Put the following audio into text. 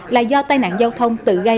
là do tai nạn giao thông tự gây